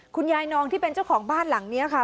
คุณยายนองที่เป็นเจ้าของบ้านหลังนี้ค่ะ